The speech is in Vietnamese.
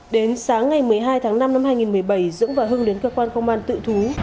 đến sáng ngày một mươi hai tháng năm năm hai nghìn một mươi bảy dũng và hưng đến cơ quan công an tự thú